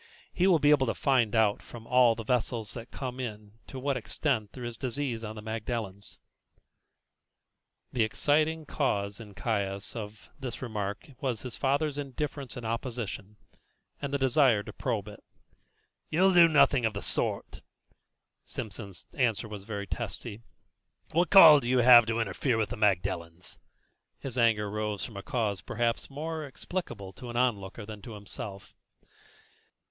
"He will be able to find out from all the vessels that come in to what extent there is disease on the Magdalens." The exciting cause in Caius of this remark was his father's indifference and opposition, and the desire to probe it. "You'll do nothing of the sort." Simpson's answer was very testy. "What call have you to interfere with the Magdalens?" His anger rose from a cause perhaps more explicable to an onlooker than to himself.